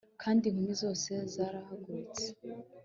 kandi inkumi zose zarahagurutse